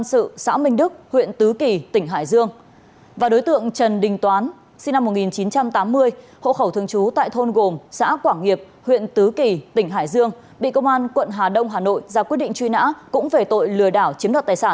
xin chào và hẹn gặp lại